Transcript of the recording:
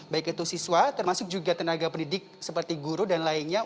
baik itu siswa termasuk juga tenaga pendidik seperti guru dan lainnya